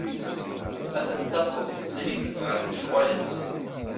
Ad tent-tafeḍ srid ɣer lecɣal-nsen.